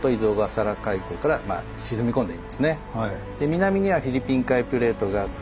南にはフィリピン海プレートがあって。